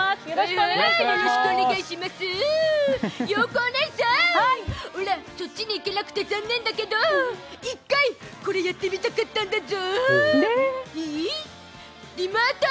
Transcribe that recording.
おねいさんオラ、そっちに行けなくて残念だけど、１回これやってみたかったんだゾ。